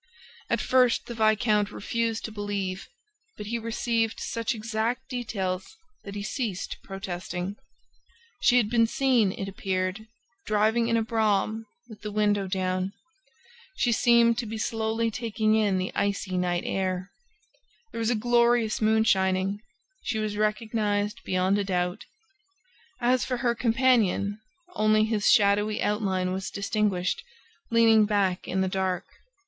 At first, the viscount refused to believe; but he received such exact details that he ceased protesting. She had been seen, it appeared, driving in a brougham, with the window down. She seemed to be slowly taking in the icy night air. There was a glorious moon shining. She was recognized beyond a doubt. As for her companion, only his shadowy outline was distinguished leaning back in the dark.